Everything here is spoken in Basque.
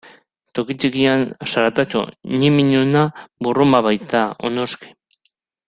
Toki txikian, zaratatxo ñimiñoena burrunba baita, noski.